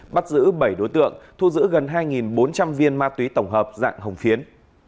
bắt giữ bảy đối tượng thu giữ gần hai bốn trăm linh viên ma túy tổng hợp dạng hồng phiến